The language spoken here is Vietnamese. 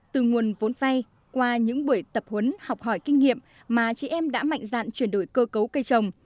từ nguồn vốn vay qua những buổi tập huấn học hỏi kinh nghiệm mà chị em đã mạnh dạn chuyển đổi cơ cấu cây trồng